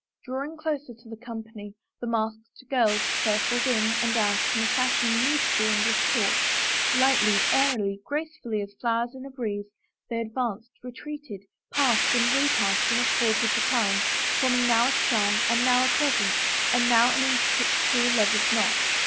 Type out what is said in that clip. Drawing closer to the company the masked girls cir cled in and out in a fashion new to the English court, lightly, airily, gracefully as flowers in a breeze, they advanced, retreated, passed and repassed in accord with the time, forming now a star and now a crescent and now an intricate true lover's knot.